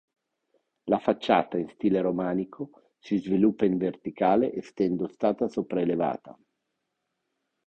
La facciata in stile romanico si sviluppa in verticale essendo stata sopraelevata.